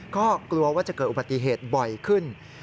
ก็กลัวว่าจะเกิดอุบัติเหตุบ่อยขึ้น